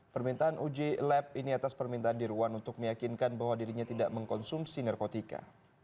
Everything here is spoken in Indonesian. permintaan uji lab ini atas permintaan dirwan untuk meyakinkan bahwa dirinya tidak mengkonsumsi narkotika